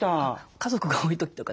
家族が多い時とかね